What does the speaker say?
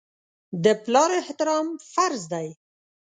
د پلار احترام فرض دی.